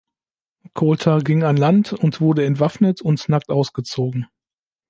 Colter ging an Land und wurde entwaffnet und nackt ausgezogen.